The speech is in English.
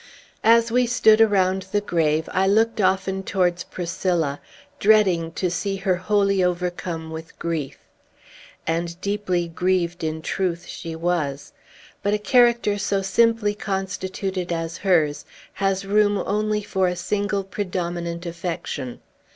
As we stood around the grave, I looked often towards Priscilla, dreading to see her wholly overcome with grief. And deeply grieved, in truth, she was. But a character so simply constituted as hers has room only for a single predominant affection.